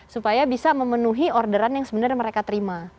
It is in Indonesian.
supaya bisa memenuhi orderan yang sebenarnya mereka terima